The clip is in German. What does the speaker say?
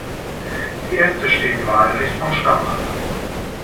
Die Äste stehen waagerecht vom Stamm ab.